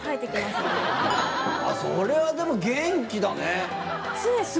それはでも元気だね。